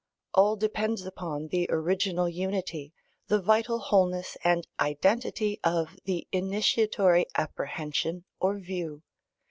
All depends upon the original unity, the vital wholeness and identity, of the initiatory apprehension or view.